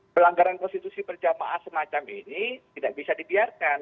melanggaran konstitusi perjamaah semacam ini tidak bisa dibiarkan